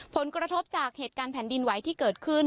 ผลกระทบจากเหตุการณ์แผ่นดินไหวที่เกิดขึ้น